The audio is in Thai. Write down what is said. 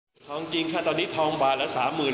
อ่ะทองจริงค่ะตอนนี้ทองบาทละสามหมื่น